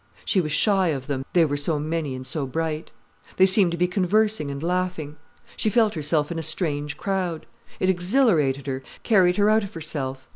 She was shy of them, they were so many and so bright. They seemed to be conversing and laughing. She felt herself in a strange crowd. It exhilarated her, carried her out of herself.